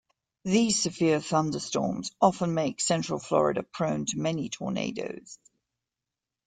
These severe thunderstorms often make Central Florida prone to many tornadoes.